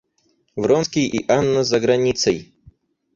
Вронский и Анна за границей.